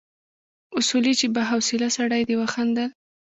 اصولي چې با حوصله سړی دی وخندل.